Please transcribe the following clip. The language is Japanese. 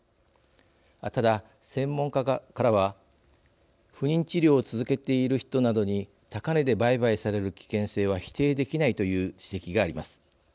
ただ専門家からは不妊治療を続けている人などに高値で売買される危険性は否定できないという指摘があります。